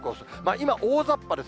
今大ざっぱです。